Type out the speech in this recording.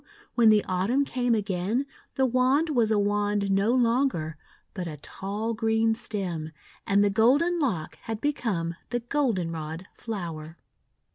when the Autumn came again the wand was a wand no longer, but a tall green stem; and the golden lock had become the Goldenrod flower.